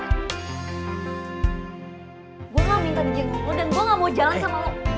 gua gak mau minta di jengukin lu dan gua gak mau jalan sama lu